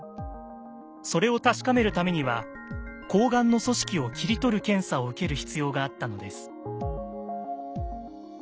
それを確かめるためにはこうがんの組織を切り取る検査を受ける必要があったのです。